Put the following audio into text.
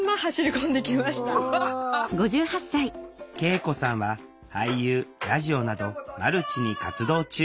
圭永子さんは俳優ラジオなどマルチに活動中。